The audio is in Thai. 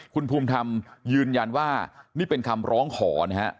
คุณภูมิธรรมยืนยันว่านี่เป็นคำร้องขอนะฮะ